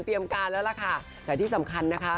การแล้วล่ะค่ะแต่ที่สำคัญนะคะ